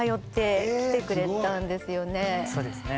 そうですね。